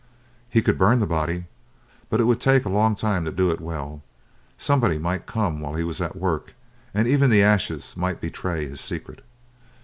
He could burn the body, but it would take a long time to do it well; somebody might come while he was at the work, and even the ashes might betray his secret.